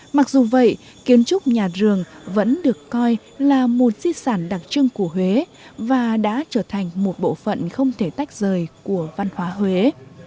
mặc dù vậy kiến trúc nhà rường vẫn được coi là một di sản đặc trưng của huế và đã trở thành một bộ phận không thể tách rời của văn hóa huế